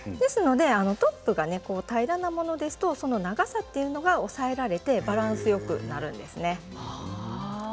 トップが平らなものですと長さが抑えられてバランスがよくなるんです。